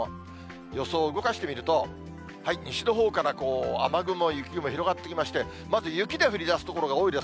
予想を動かしてみると、西のほうから雨雲、雪雲、広がってきまして、まず、雪で降りだす所が多いです。